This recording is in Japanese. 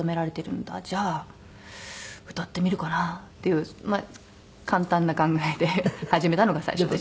じゃあ歌ってみるかなっていうまあ簡単な考えで始めたのが最初です。